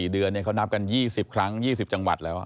เดือนเขานับกัน๒๐ครั้ง๒๐จังหวัดแล้ว